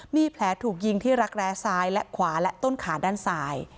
มีแผลถูกยิงที่รักแร้ซ้ายและขวาและต้นขาด้านซ้าย